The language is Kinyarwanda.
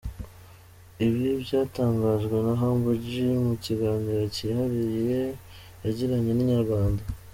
Ibi byatangajwe na Humble G mu kiganiro kihariye yagiranye na Inyarwanda.